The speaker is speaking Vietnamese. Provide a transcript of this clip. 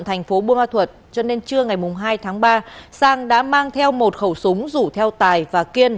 thành phố bùa thuật cho nên trưa ngày hai tháng ba sang đã mang theo một khẩu súng rủ theo tài và kiên